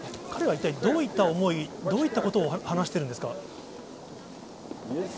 彼は一体どういった思い、どういったことを話しているんですか。